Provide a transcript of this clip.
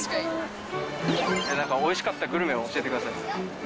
なんか、おいしかったグルメを教えてください。